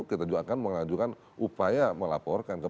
kita juga akan mengajukan upaya melaporkan